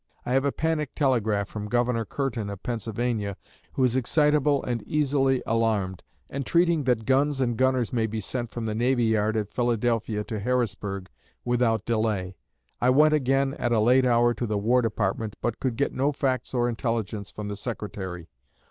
I have a panic telegraph from Governor Curtin of Pennsylvania, who is excitable and easily alarmed, entreating that guns and gunners may be sent from the Navy Yard at Philadelphia to Harrisburg without delay.... I went again, at a late hour, to the War Department, but could get no facts or intelligence from the Secretary.